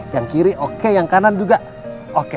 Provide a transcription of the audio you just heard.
yang kiri oke yang kanan juga oke